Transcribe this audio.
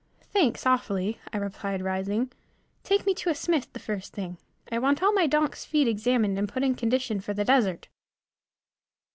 "Thanks, awfully," I replied, rising. "Take me to a smith the first thing; I want all my donks' feet examined and put in condition for the desert."